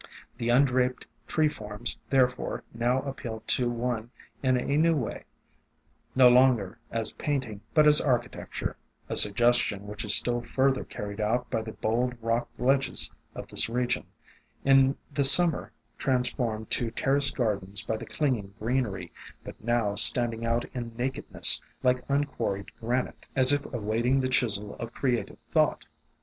The undraped tree forms therefore now appealed to one in a new way, no longer as painting, but as architecture, — a sug gestion which is still further carried out by the bold rock ledges of this region ; in the summer transformed to AFTERMATH 335 terraced gardens by the clinging greenery, but now standing out in nakedness, like unquarried granite, as if awaiting the chisel of creative thought.